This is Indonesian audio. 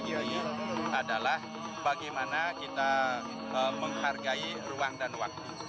kiai adalah bagaimana kita menghargai ruang dan waktu